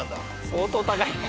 相当高いね。